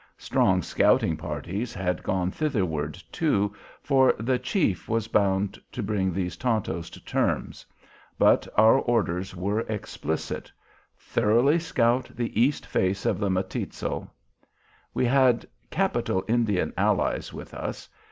Strong scouting parties had gone thitherward, too, for "the Chief" was bound to bring these Tontos to terms; but our orders were explicit: "Thoroughly scout the east face of the Matitzal." We had capital Indian allies with us.